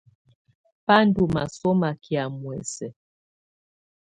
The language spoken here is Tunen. Bá ndɔ̀ mɔ̀sɔmà kɛ̀á muɛ̀sɛ̀.